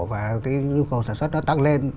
và cái nhu cầu sản xuất nó tăng lên